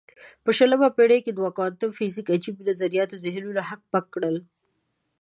په شلمه پېړۍ کې د کوانتم فزیک عجیب نظریاتو ذهنونه هک پک کړل.